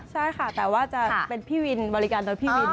ใช่ค่ะแต่ว่าจะเป็นบริการรถพี่วิน